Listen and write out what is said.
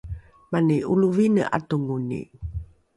mani ’olovine ’atongoni